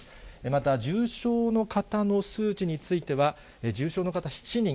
また重症の方の数値については、重症の方７人。